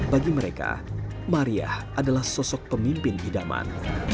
bagi mereka maria adalah sosok pemimpin idaman